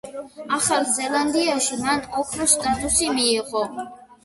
ახალ ზელანდიაში მან ოქროს სტატუსი მიიღო.